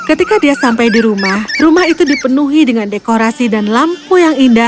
hai ketika dia sampai di rumah rumah itu dipenuhi dengan dekorasi dan lampu yang